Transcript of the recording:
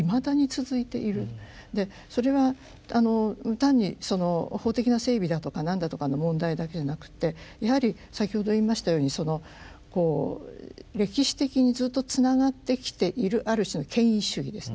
でそれは単に法的な整備だとか何だとかの問題だけじゃなくてやはり先ほど言いましたようにそのこう歴史的にずっとつながってきているある種の権威主義ですね